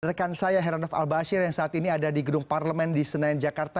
rekan saya heranov al bashir yang saat ini ada di gedung parlemen di senayan jakarta